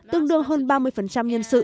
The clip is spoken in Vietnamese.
tương đương hơn ba mươi nhân sự